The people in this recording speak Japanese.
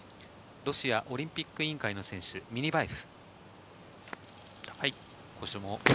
ロシアオリンピック委員会の選手、ミニバエフ。